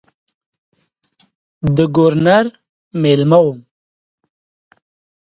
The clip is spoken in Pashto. د ګورنر مېلمه وم.